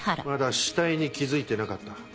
まだ死体に気付いてなかった。